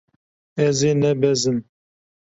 Ez ê nebezim.